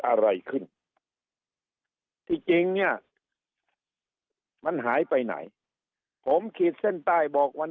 อะไรขึ้นที่จริงเนี่ยมันหายไปไหนผมขีดเส้นใต้บอกวัน